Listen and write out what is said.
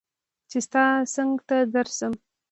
چې ستا څنګ ته درشم